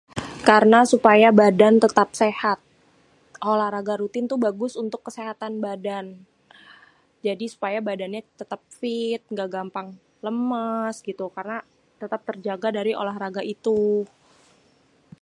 Karena supaya badan tetap sehat olahraga rutin tuh bagus untuk kesehatan badan jadi supaya badannya tetep fit èngga gampang lemes gitu karena tetap terjaga dari olahraga itu